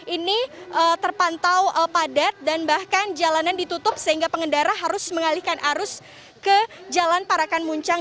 ini terpantau padat dan bahkan jalanan ditutup sehingga pengendara harus mengalihkan arus ke jalan parakan muncang